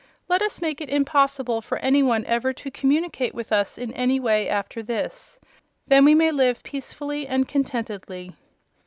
Let us make it impossible for any one ever to communicate with us in any way, after this. Then we may live peacefully and contentedly."